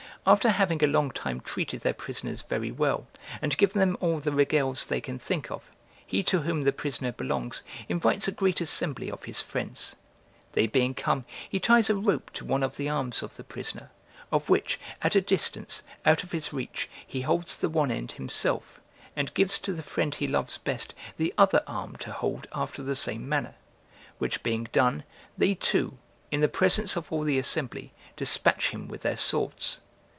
After having a long time treated their prisoners very well, and given them all the regales they can think of, he to whom the prisoner belongs, invites a great assembly of his friends. They being come, he ties a rope to one of the arms of the prisoner, of which, at a distance, out of his reach, he holds the one end himself, and gives to the friend he loves best the other arm to hold after the same manner; which being. done, they two, in the presence of all the assembly, despatch him with their swords.